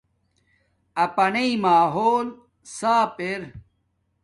اپانݵ ماحول صاف ارا